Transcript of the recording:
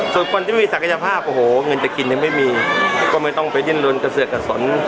ส่วนคนที่มีศักยภาพโอ้โหเงินจะกินยังไม่มีก็ไม่ต้องไปดิ้นลนเกษตรกระสน